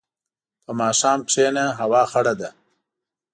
په ماښام کښېنه، هوا خړه ده.